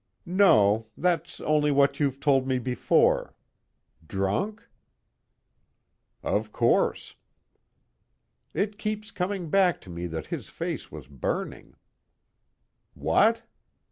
"No. That's only what you've told me before. Drunk?" "Of course." "It keeps coming back to me that his face was burning." "What?"